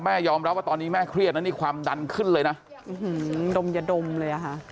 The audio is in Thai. ยอมรับว่าตอนนี้แม่เครียดนะนี่ความดันขึ้นเลยนะดมอย่าดมเลยอ่ะค่ะ